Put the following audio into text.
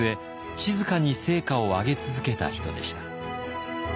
静かに成果を上げ続けた人でした。